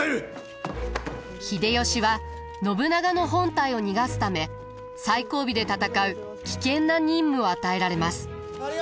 秀吉は信長の本隊を逃がすため最後尾で戦う危険な任務を与えられます。